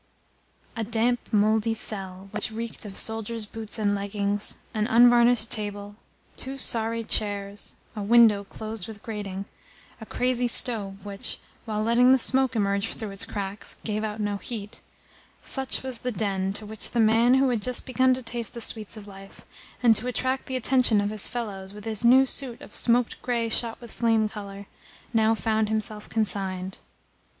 A damp, mouldy cell which reeked of soldiers' boots and leggings, an unvarnished table, two sorry chairs, a window closed with a grating, a crazy stove which, while letting the smoke emerge through its cracks, gave out no heat such was the den to which the man who had just begun to taste the sweets of life, and to attract the attention of his fellows with his new suit of smoked grey shot with flame colour, now found himself consigned.